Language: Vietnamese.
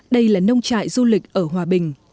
đây là nông trại du lịch ở hòa bình